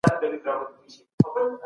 خپله ژبه بايد تل کنټرول او قابو وساتو.